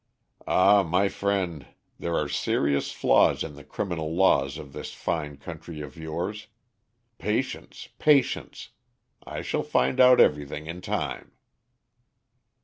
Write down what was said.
"Ah, my friend, there are serious flaws in the criminal laws of this fine country of yours. Patience, patience. I shall find out everything in time."